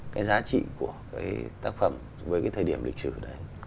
cái giá trị của cái tác phẩm với cái thời điểm lịch sử đấy